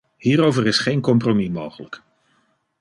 Hierover is geen compromis mogelijk.